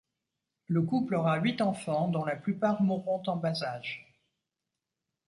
Le couple aura huit enfants dont la plupart mourront en bas âge.